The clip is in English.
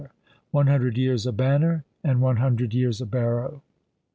_ "One hundred years a banner and one hundred years a barrow!"